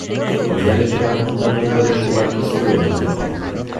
Oihal-etxolak muntatu ondoren su bat piztu genuen.